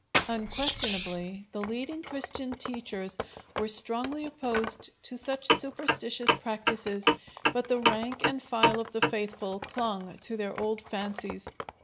Unquestionably the leading Christian teachers were strongly opposed to such superstitious practices, but the rank and file of the faithful clung to their old fancies.